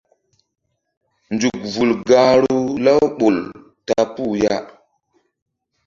Nzuk vul gahru Laouɓol ta puh ya.